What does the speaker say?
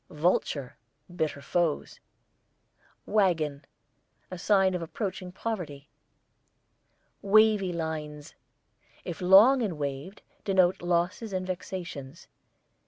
VULTURE, bitter foes. WAGON, a sign of approaching poverty. WAVY LINES, if long and waved, denote losses and vexations.